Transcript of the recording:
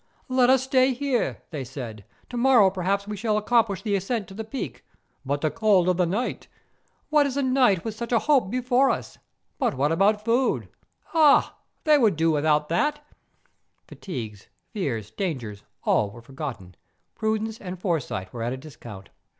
' Let us stay here,' they said ;' to morrow per¬ haps we shall accomplish the ascent to the peak.' ' But the cold of the night ?'^ What is a night with such a hope before us ?'' But what about food ?'' Oh, they would do without that; ' fatigues, fears, dangers—all were forgotten: prudence and fore¬ sight were at a discount.